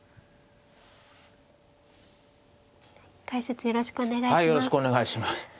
解説よろしくお願いします。